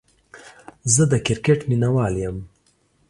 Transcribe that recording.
زه دا کرکټ ميناوال يم